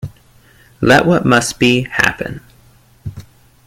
Let what must be, happen.